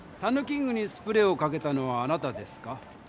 キングにスプレーをかけたのはあなたですか？